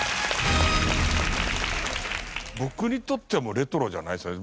僕にとってはもうレトロじゃないですよね。